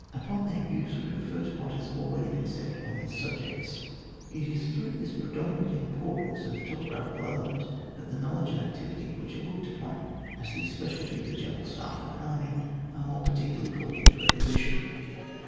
Upon their use we refer to what has been already said on these subjects. It is through this predominant import ance of the topographical element that the knowledge and activity which are looked upon as the speciality of the geuenil staff of an army are more particularly called into requisition.